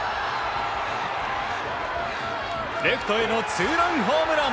レフトへのツーランホームラン。